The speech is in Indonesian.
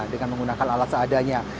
dengan menggunakan alat seadanya